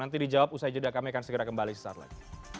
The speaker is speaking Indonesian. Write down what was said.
nanti dijawab usai jeda kami akan segera kembali sesaat lagi